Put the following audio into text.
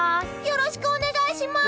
よろしくお願いします！